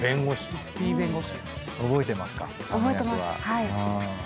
覚えてます。